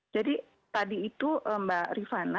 jadi tadi itu mbak rifana